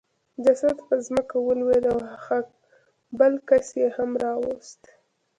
جسد په ځمکه ولوېد او هغه بل کس یې هم راوست